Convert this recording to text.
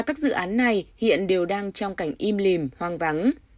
các dự án này hiện đều đang trong cảnh im lìm hoang vắng